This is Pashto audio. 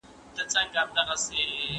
کلتور د ټولنې یوه مهمه برخه ده.